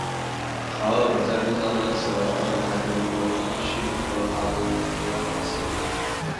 卡尔在路上认识了爱尔兰人罗宾逊和法国人德拉马什。